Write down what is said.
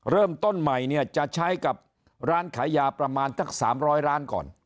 เริ่มต้นใหม่เนี่ยจะใช้กับร้านขายยาประมาณสัก๓๐๐ร้านก่อน